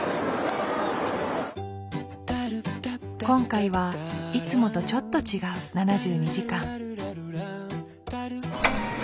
今回はいつもとちょっと違う７２時間。